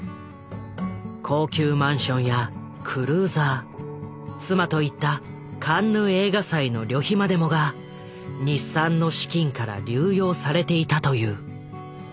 高級マンションやクルーザー妻と行ったカンヌ映画祭の旅費までもが日産の資金から流用されていたという。